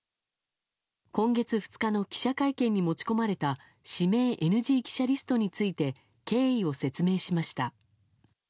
今月２日の記者会見に持ち込まれた指名ＮＧ記者リストについて経緯を説明しました。